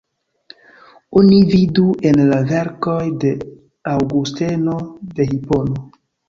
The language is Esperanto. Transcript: Oni vidu en la verkoj de Aŭgusteno de Hipono.